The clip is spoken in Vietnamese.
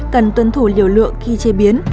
cần tuân thủ liều lượng khi chế biến